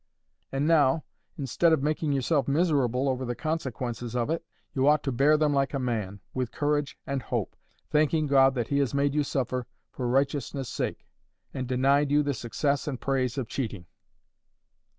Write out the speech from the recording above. And now, instead of making yourself miserable over the consequences of it, you ought to bear them like a man, with courage and hope, thanking God that He has made you suffer for righteousness' sake, and denied you the success and the praise of cheating.